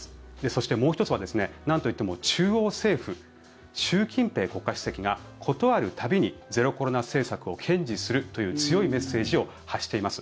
そして、もう１つはなんと言っても中央政府習近平国家主席が事ある度にゼロコロナ政策を堅持するという強いメッセージを発しています。